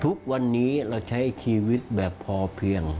ทุกวันนี้เราใช้ชีวิตแบบพอเพียง